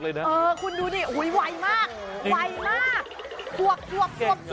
มันก้อนจะยอมแพ้